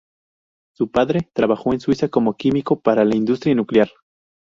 Su padre trabajó en Suiza como químico para la industria nuclear.